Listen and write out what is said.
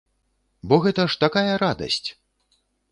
Бо гэта ж такая радасць!